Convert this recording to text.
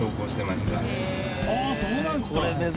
ああそうなんですか。